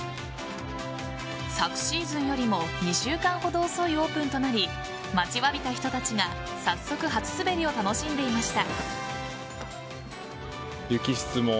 昨シーズンよりも２週間ほど遅いオープンとなり待ちわびた人たちが早速、初滑りを楽しんでいました。